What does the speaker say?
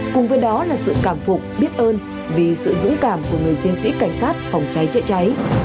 cùng với đó là sự cảm phục biết ơn vì sự dũng cảm của người chiến sĩ cảnh sát phòng cháy chữa cháy